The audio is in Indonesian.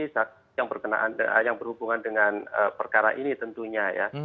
saksi yang berhubungan dengan perkara ini tentunya ya